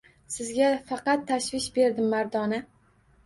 Sizga faqat tashvish berdim mardona